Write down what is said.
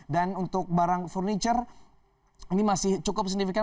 dan untuk barang furniture ini masih cukup signifikan